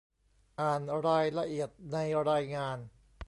อ่านรายละเอียดในรายงาน